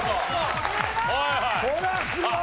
これはすごい！